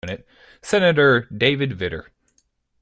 Senator David Vitter.